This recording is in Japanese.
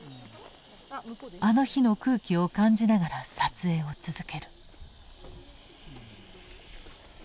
あの日の空気を感じながら撮影を続ける。